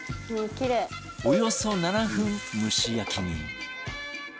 およそ７分蒸し焼きに